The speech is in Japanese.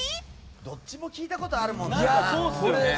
どっちも聞いたことあるもんな。